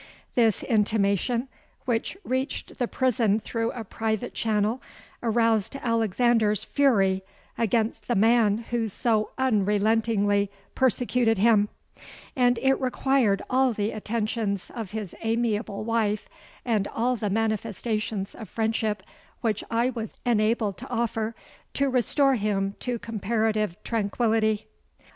This intimation, which reached the prison through a private channel, aroused Alexander's fury against the man who so unrelentingly persecuted him; and it required all the attentions of his amiable wife and all the manifestations of friendship which I was enabled to offer, to restore him to comparative tranquillity.